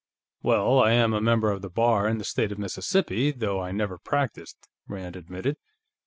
"Well, I am a member of the Bar in the State of Mississippi, though I never practiced," Rand admitted.